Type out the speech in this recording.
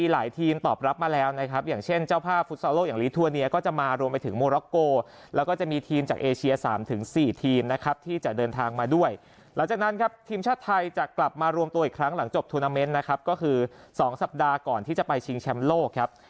หลังจบทวนิเมนต์นะครับก็คือ๒สัปดาห์ก่อนที่จะไปชิงแชมป์โลกครับ